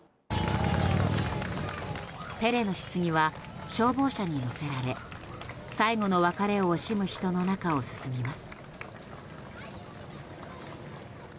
ペレのひつぎは消防車に乗せられ最後の別れを惜しむ人の中を進みます。